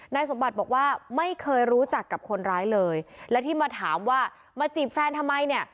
นายสมบัติบอกว่าไม่เคยรู้จักกับคนร้ายเลยและที่มาถามว่ามาจีบแฟนทำไมเนี่ย